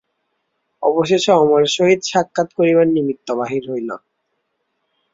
অবশেষে অমরের সহিত সাক্ষাৎ করিবার নিমিত্ত বাহির হইল।